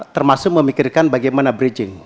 termasuk memikirkan bagaimana bridging